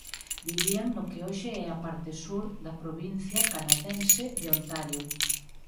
Vivían no que hoxe é a parte sur da provincia canadense de Ontario.